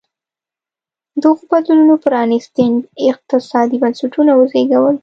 دغو بدلونونو پرانېستي اقتصادي بنسټونه وزېږول.